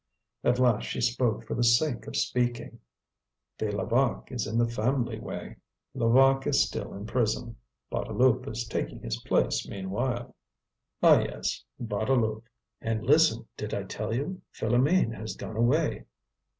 At last she spoke for the sake of speaking. "The Levaque is in the family way. Levaque is still in prison; Bouteloup is taking his place meanwhile." "Ah, yes! Bouteloup." "And, listen! did I tell you? Philoméne has gone away."